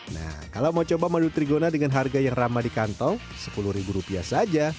nah kalau mau coba madu trigona dengan harga yang ramah di kantong sepuluh ribu rupiah saja